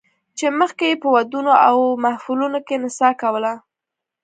چې مخکې یې په ودونو او محفلونو کې نڅا کوله